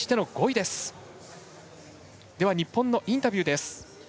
では、日本のインタビューです。